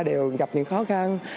đều gặp những khó khăn